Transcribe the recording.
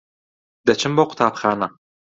دەچم بۆ قوتابخانە.